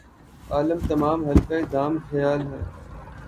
عالم تمام حلقہ دام خیال ھے